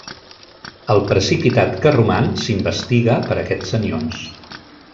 El precipitat que roman s'investiga per a aquests anions.